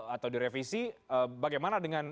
atau direvisi bagaimana dengan